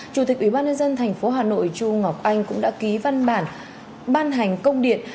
chủ tịch ubnd tp hà nội chu ngọc anh cũng đã ký văn bản ban hành công điện